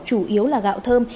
chủ yếu là gạo thơm